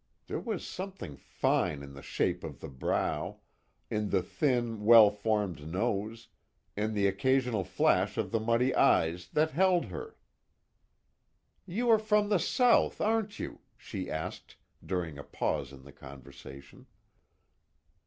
There was something fine in the shape of the brow, in the thin, well formed nose, in the occasional flash of the muddy eyes that held her. "You are from the South, aren't you?" she asked, during a pause in the conversation.